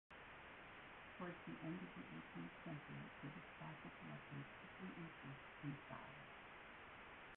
Towards the end of the eighteenth century, British fossil collections quickly increased in size.